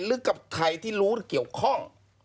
หรือกับใครที่รู้เกี่ยวข้อง